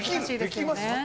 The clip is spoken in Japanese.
できます？